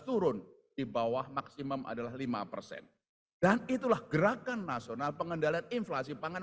turun di bawah maksimum adalah lima persen dan itulah gerakan nasional pengendalian inflasi pangan